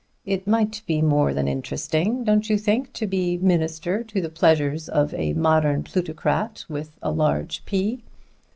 "It might be more than interesting, don't you think, to be minister to the pleasures of a modern plutocrat with a large P?